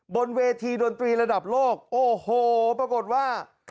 บนเวทีดนตรีระดับโลกโอ้โหปรากฏว่า